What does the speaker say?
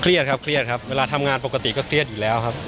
ครับเครียดครับเวลาทำงานปกติก็เครียดอยู่แล้วครับ